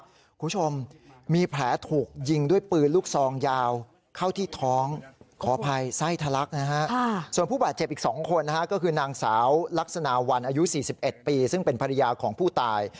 คุณผู้ชมมีแผลถูกยิงด้วยปืนลูกซองยาวเข้าที่ท้องขออภัยไส้ทะลักนะฮะส่วนผู้บาดเจ็บอีก๒คนนะฮะก็คือนางสาวลักษณะวันอายุ๔๑ปีซึ่งเป็นภรรยาของผู้ตาย